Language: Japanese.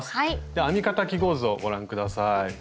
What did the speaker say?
では編み方記号図をご覧下さい。